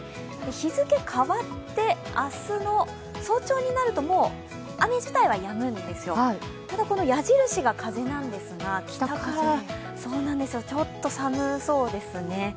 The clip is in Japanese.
日付変わって明日の早朝になるともう雨自体はやむんですよ、矢印が風なんですが、北からということでちょっと寒そうですね。